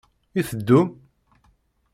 I teddum?